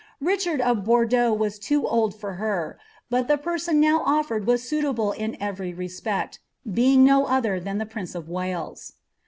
Richard of Bordeaux was loo old for her, hut the person now olTeroil was suitable in etery reepwt; beitig no other than the prince of Wales."'